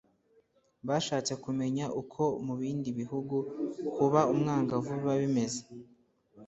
bashatse kumenya uko mu bindi bihugu kuba umwangavu biba bimeze